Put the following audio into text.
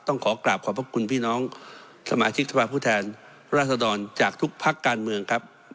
ต้องขอกราบขอบพระคุณพี่น้องสมาชิกสภาพผู้แทนราษฎรจากทุกพักการเมืองครับ